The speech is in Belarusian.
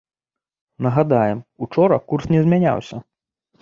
Нагадаем, учора курс не змяняўся.